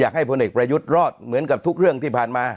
พลเอกประยุทธ์รอดเหมือนกับทุกเรื่องที่ผ่านมา